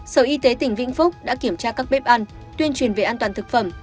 sở y tế tỉnh vĩnh phúc đã kiểm tra các bếp ăn tuyên truyền về an toàn thực phẩm